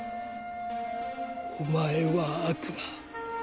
お前は悪魔。